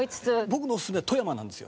僕のオススメは富山なんですよ。